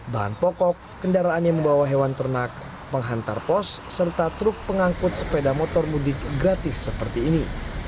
bahan pokok kendaraan yang membawa hewan ternak penghantar pos serta truk pengangkut sepeda motor mudik gratis seperti ini